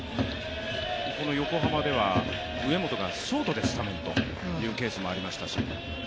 横浜では上本がショートでスタメンというケースもありました。